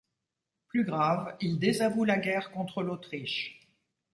Plus grave, il désavoue la guerre contre l'Autriche.